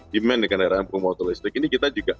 demand di kendaraan bermotor listrik ini kita juga